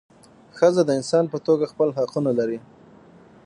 ښځه د انسان په توګه خپل حقونه لري.